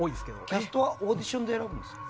キャストはオーディションで選ぶんですか？